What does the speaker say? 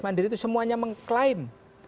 mandiri itu semuanya mengklaim